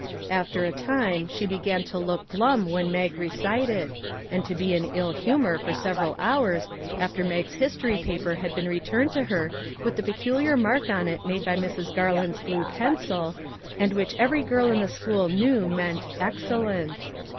After a time she began to look glum when Mag recited, and to be in ill humor for several hours after Mag's history paper had been returned to her with the pecu liar mark on it made by Mrs. Garland's blue 360 "EXCELLENT" pencil, and which every girl in the school knew meant " Excellent."